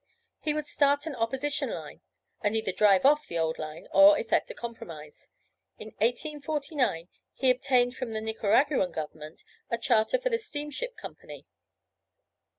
He would start an opposition line, and either drive off the old line or effect a compromise. In 1849 he obtained from the Nicaraguan Government a charter for a steamship company.